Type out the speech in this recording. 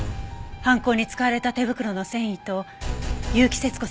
犯行に使われた手袋の繊維と結城節子さんの指紋です。